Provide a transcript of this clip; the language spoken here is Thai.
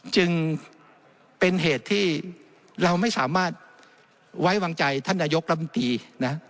จึงเป็นเหตุที่เราไม่สามารถไว้วางใจท่านนายกรัฐมนตรีนะ